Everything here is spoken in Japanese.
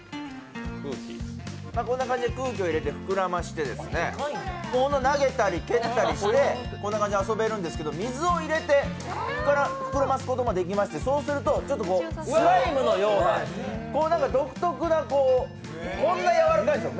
こんな感じで空気を入れて膨らまして投げたり蹴ったりして遊べるんですけど水を入れて膨らますこともできまして、そうすると、スライムのような独特な、こんなやわらかいんですよ。